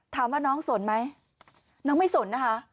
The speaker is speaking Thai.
ถามว่าน้องสนไหมน้องไม่สนนะคะ